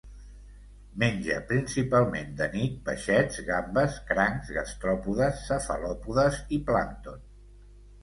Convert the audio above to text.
Menja principalment de nit peixets, gambes, crancs, gastròpodes, cefalòpodes i plàncton.